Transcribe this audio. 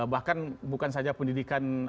bahkan bukan saja pendidikan